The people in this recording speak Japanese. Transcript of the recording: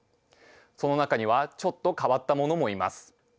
その中にはちょっと変わったものもいます。